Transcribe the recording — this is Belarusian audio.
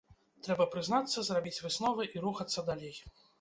Трэба прызнацца, зрабіць высновы і рухацца далей.